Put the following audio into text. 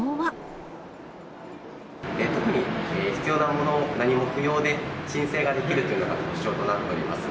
特に必要なもの何も不要で、申請ができるというのが特徴となっております。